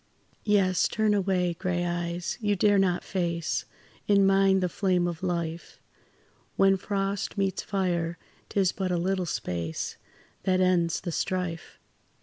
Yes, turn away, grey eyes, you dare not face In mine the flame of life; When frost meets fire, 'tis but a little space That ends the strife.